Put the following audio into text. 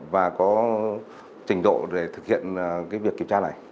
và có trình độ để thực hiện việc kiểm tra này